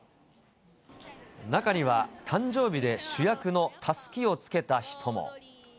中には、誕生日で主役のたすきをつけた人も。